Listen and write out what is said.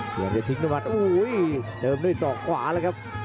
ยังจะทิ้งด้วยมันอู๊ยเดิมด้วยสองขวาแล้วครับ